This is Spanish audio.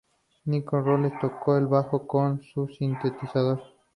Nick Rhodes toco el bajo con su sintetizador.